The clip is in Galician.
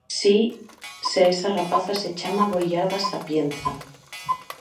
Si, se esa rapaza se chama Goliarda Sapienza.